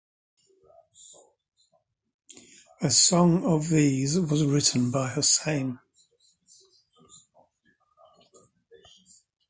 A song of these was written by Hossain.